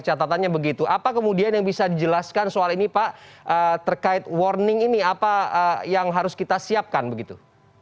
catatannya begitu apa kemudian yang bisa dijelaskan soal ini pak terkait warning ini apa yang harus kita siapkan begitu